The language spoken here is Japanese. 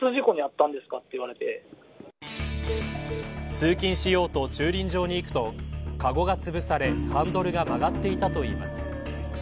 通勤しようと駐輪場に行くとかごがつぶされ、ハンドルが曲がっていたといいます。